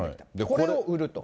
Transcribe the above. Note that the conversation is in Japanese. これを売ると。